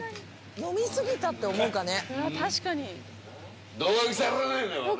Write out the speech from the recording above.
飲み過ぎたって思うかね。